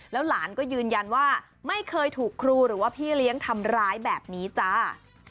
แล้วหลานก็ยืนยันว่าไม่เคยถูกครูหรือว่าพี่เลี้ยงทำร้ายแบบนี้จ้า